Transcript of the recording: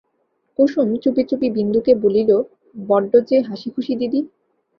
কুসুম চুপিচুপি বিন্দুকে বলিল, বড্ড যে হাসিখুশি দিদি?